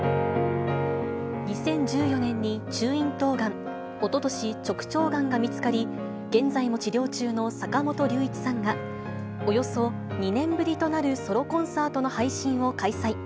２０１４年に中咽頭がん、おととし、直腸がんが見つかり、現在も治療中の坂本龍一さんが、およそ２年ぶりとなるソロコンサートの配信を開催。